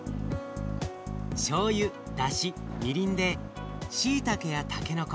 しょうゆだしみりんでしいたけやたけのこ